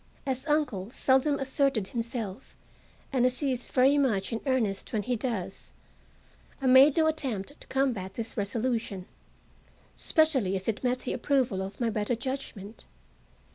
As uncle seldom asserted himself, and as he is very much in earnest when he does, I made no attempt to combat this resolution, especially as it met the approval of my better judgment.